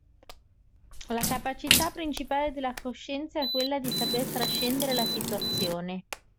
La capacità principale della coscienza è quella di saper trascendere la situazione.